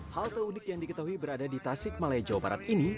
halte unik yang diketahui berada di tasik malaya jawa barat ini